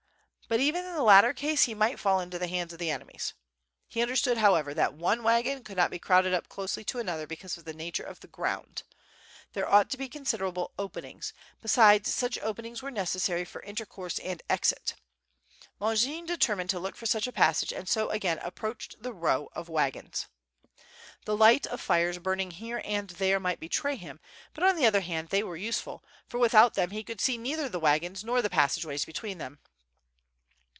But even in the latter case he might fall into the hands of the enemies. He understood, however, that one wagon could not be crowded up closely to another because of the nature of the ground. There ought to be considerable openings; be sides such openings were necessary for intercourse and exit. .. Longin determined to look for such a passage and so again approached the row of wagons. The light of fires burning here and there might betray him, but on the other hand they were useful, for without them, he could see neither the wagons nor the passage ways between them.